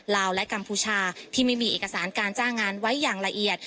ลาวและกัมพูชาที่ไม่มีเอกสารการจ้างงานไว้อย่างละเอียด